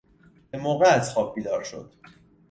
بموقع از خواب بیدار شد